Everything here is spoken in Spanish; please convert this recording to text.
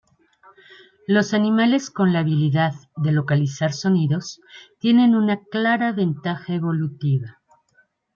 Los animales con la habilidad de localizar sonidos tienen una clara ventaja evolutiva.